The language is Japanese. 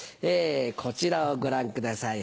こちらをご覧ください。